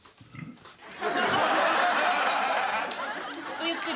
ごゆっくり。